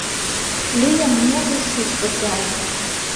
Лийым мужыр шӱшпык гае